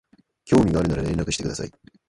興味があるなら連絡してください